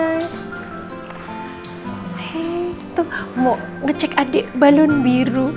hei tuh mau ngecek adik balon biru